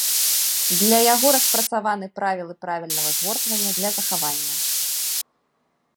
Для яго распрацаваны правілы правільнага згортвання для захавання.